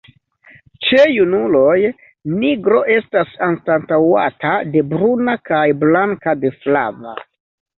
Ĉe junuloj nigro estas anstataŭata de bruna kaj blanka de flava.